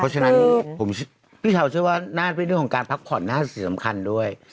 เพราะฉะนั้นพี่เช้าเชื่อว่าเรื่องของการพักผ่อนน่าจะสำคัญด้วย